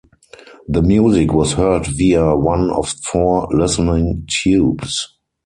The music was heard via one of four listening tubes.